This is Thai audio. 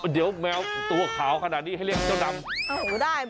เดี๋ยวแมวตัวขาวขนาดนี้ให้เรียกเจ้านำ